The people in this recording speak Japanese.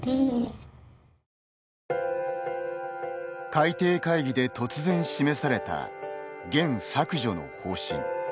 改訂会議で突然示されたゲン削除の方針。